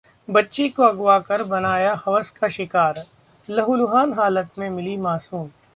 बच्ची को अगवाकर बनाया हवस का शिकार, लहूलुहान हालत में मिली मासूम